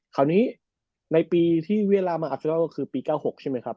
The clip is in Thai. คราวนี้ในปีที่เวียระมาอาเซโนลกคือปี๙๖ใช่ไหมครับ